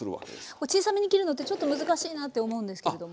こう小さめに切るのってちょっと難しいなって思うんですけれども。